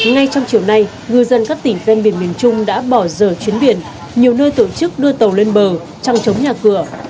ngay trong chiều nay ngư dân các tỉnh ven biển miền trung đã bỏ giờ chuyến biển nhiều nơi tổ chức đưa tàu lên bờ trăng chống nhà cửa